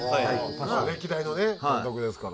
歴代のね監督ですから。